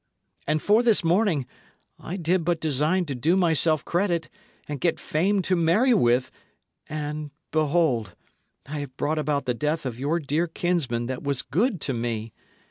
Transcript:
And for this morning, I did but design to do myself credit, and get fame to marry with, and, behold! I have brought about the death of your dear kinsman that was good to me.